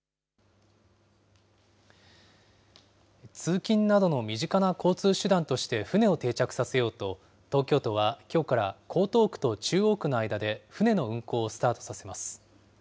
通勤などの身近な交通手段として船を定着させようと、東京都はきょうから、江東区と中央区の間で船の運航をスタートさせます。